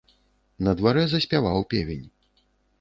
На дварэ заспяваў певень.